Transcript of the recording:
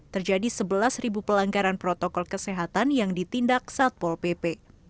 terjadi sebelas pelanggaran protokol kesehatan yang ditindak satpol pp